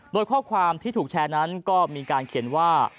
โดยข้อความที่ถูกแชร์นั้นก็มีการเขียนว่า